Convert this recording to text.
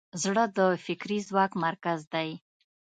زړه د فکري ځواک مرکز دی.